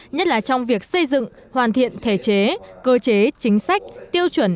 nhất là trong việc xây dựng hoàn thiện thể chế cơ chế chính sách tiêu chuẩn